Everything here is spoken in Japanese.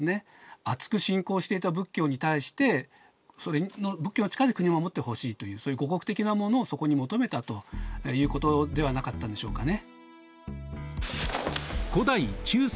あつく信仰していた仏教に対して仏教の力で国を護ってほしいというそういう護国的なものをそこに求めたということではなかったんでしょうかね。